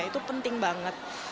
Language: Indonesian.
itu penting banget